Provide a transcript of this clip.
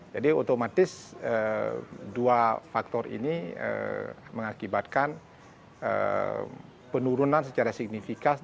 jadi otomatis dua faktor ini mengakibatkan penurunan secara signifikas